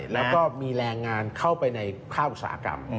แล้วก็มีแรงงานเข้าไปในภาคอุตสาหกรรม